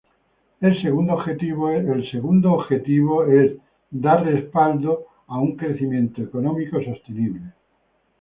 Es segundo objetivo es de dar respaldo al un crecimiento económico sostenible.